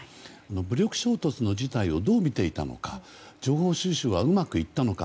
武力衝突の事態をどう見ていたのか情報収集はうまくいったのか。